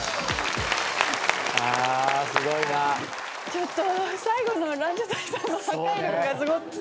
ちょっと最後の。